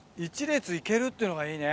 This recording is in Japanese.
１列行けるっていうのがいいね。